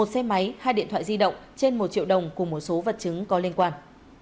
một xe máy hai điện thoại di động trên một triệu đồng cùng một số vật chứng có liên quan